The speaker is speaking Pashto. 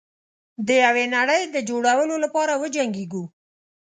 د یوې نړۍ د جوړولو لپاره وجنګیږو.